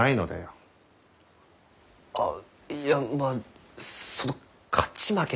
あいやまあその勝ち負けでは。